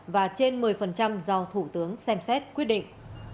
và trên một mươi do thủ tướng xem xét quyết định